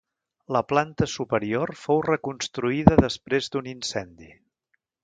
La planta superior fou reconstruïda després d'un incendi.